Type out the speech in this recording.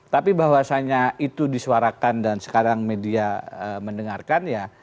tapi bahwasanya itu disuarakan dan sekarang media mendengarkan ya